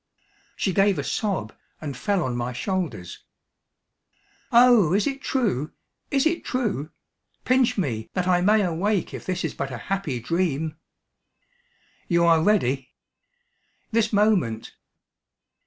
She gave a sob, and fell on my shoulders. "Oh, is it true is it true? Pinch me, that I may awake if this is but a happy dream!" "You are ready?" "This moment."